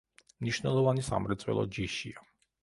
მნიშვნელოვანი სამრეწველო ჯიშია.